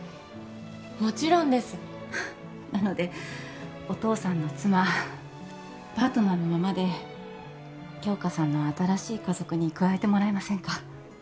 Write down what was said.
もちろんですなのでお父さんの妻パートナーのままで杏花さんの新しい家族に加えてもらえませんか？